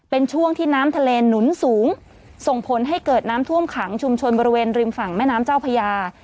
เป็นช่วงที่น้ำทะเลหนุนสูงส่งผลให้เกิดน้ำท่วมขังชุมชนบริเวณริมฝั่งแม่น้ำเจ้าพญา